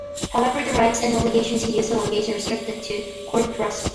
However, the rights and obligations to use the language are restricted to court proceedings.